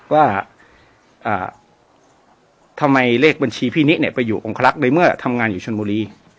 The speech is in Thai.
ว่าทำไมเลขบัญชีพี่นิเนี่ยไปอยู่องคลักษ์ในเมื่อทำงานอยู่ชนบุรี